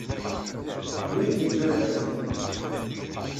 Nekk d baba-k.